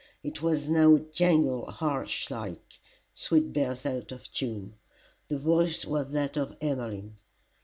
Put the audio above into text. It was now jangled harsh, like "sweet bells out of tune." The voice was that of Emmeline.